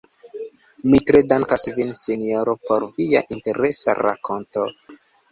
Mi tre dankas vin, sinjoro, por via interesa rakonto.